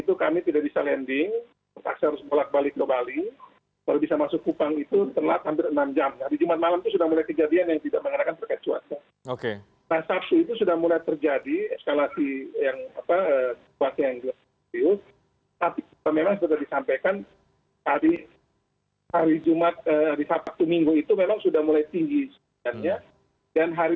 tangan tersebut malam hari